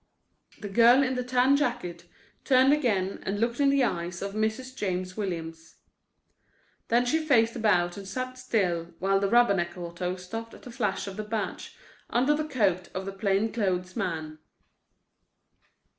The girl in the tan jacket turned again, and looked in the eyes of Mrs. James Williams. Then she faced about and sat still while the Rubberneck auto stopped at the flash of the badge under the coat of the plainclothes man.